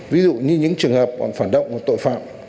ví dụ như những trường hợp phản động tội phạm